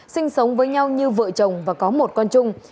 sinh sống với nhau như vợ chồng và có một con chung